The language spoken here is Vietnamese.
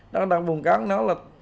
đó là bùn cát nó là